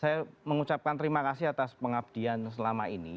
saya mengucapkan terima kasih atas pengabdian selama ini